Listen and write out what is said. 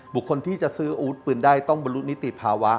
คนที่จะซื้ออาวุธปืนได้ต้องบรรลุนิติภาวะ